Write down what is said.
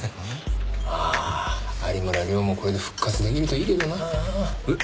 ああ有村亮もこれで復活出来るといいけどな。え？